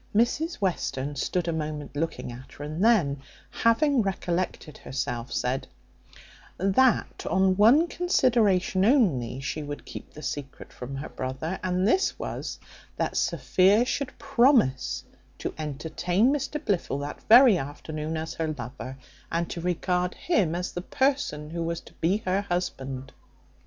Mrs Western stood a moment looking at her, and then, having recollected herself, said, "That on one consideration only she would keep the secret from her brother; and this was, that Sophia should promise to entertain Mr Blifil that very afternoon as her lover, and to regard him as the person who was to be her husband."